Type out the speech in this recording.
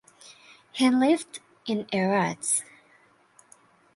He lived in Arras.